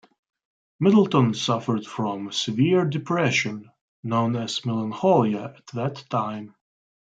Middleton suffered from severe depression, known as melancholia at that time.